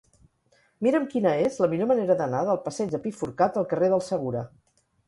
Mira'm quina és la millor manera d'anar del passeig del Pi Forcat al carrer del Segura.